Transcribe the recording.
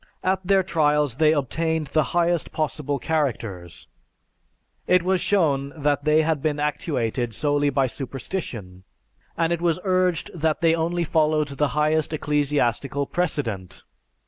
At their trials they obtained the highest possible characters. It was shown that they had been actuated solely by superstition, and it was urged that they only followed the highest ecclesiastical precedent.